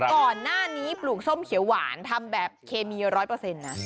ก่อนหน้านี้ปลูกส้มเขียวหวานทำแบบเคมีร้อยเปอร์เซ็นต์นะ